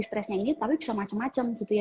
stresnya ini tapi bisa macam macam gitu ya